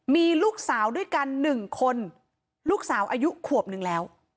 มีลูกสาวด้วยกัน๑คนลูกสาวอายุขวบหนึ่งแล้ว